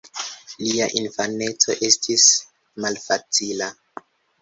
Lia infaneco estis malfacila.